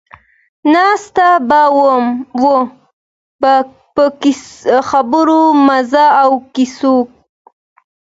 ناست به وو په خبرو، مزو او کیسو.